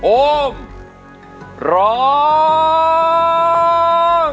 โอมร้อง